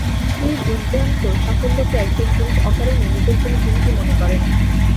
স্ত্রীর দুর্দান্ত সাফল্যকে একজন পুরুষ অকারণে নিজের জন্য হুমকি মনে করেন।